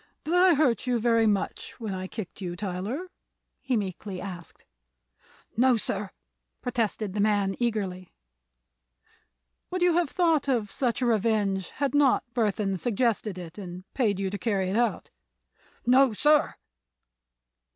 "Did I hurt you very much when I kicked you, Tyler?" he meekly asked. "No, sir!" protested the man, eagerly. "Would you have thought of such a revenge had not Burthon suggested it, and paid you to carry it out?" "No, sir!"